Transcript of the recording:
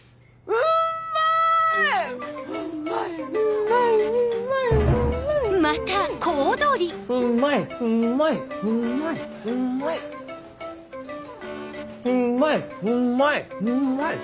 うんまい！